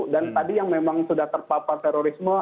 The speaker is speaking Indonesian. dan tadi yang memang sudah terpapar terorisme